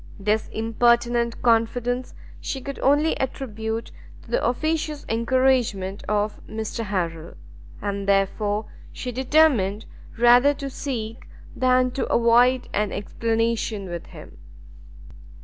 This impertinent confidence she could only attribute to the officious encouragement of Mr Harrel, and therefore she determined rather to seek than to avoid an explanation with him.